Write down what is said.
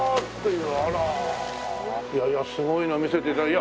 いやいやすごいのを見せて頂き。